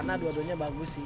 karena dua duanya bagus sih